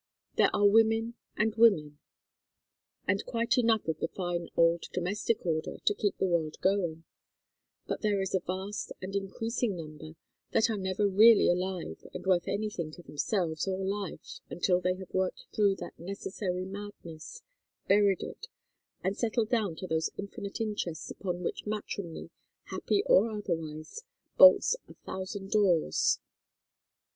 There are women and women; and quite enough of the fine old domestic order to keep the world going; but there is a vast and increasing number that are never really alive and worth anything to themselves or life until they have worked through that necessary madness, buried it, and settled down to those infinite interests upon which matrimony, happy or otherwise, bolts a thousand doors.